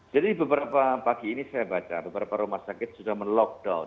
jadi beberapa pagi ini saya baca beberapa rumah sakit sudah meng lockdown